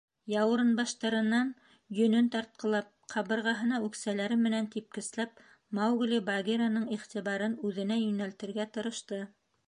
Яурынбаштарынан йөнөн тартҡылап, ҡабырғаһына үксәләре менән типкесләп, Маугли Багираның иғтибарын үҙенә йүнәлтергә тырышты.